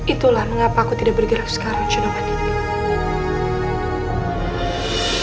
itulah mengapa aku tidak bergerak sekarang cina manik